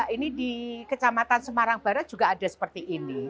ini di kecamatan semarang barat juga ada seperti ini